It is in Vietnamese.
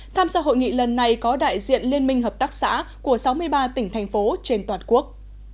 tham gia hội nghị lần này có đại diện liên minh hợp tác xã của sáu mươi ba tỉnh thành phố trên toàn quốc